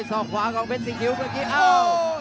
สองขวากองเป็นสิงคิวเมื่อกี้อ้าว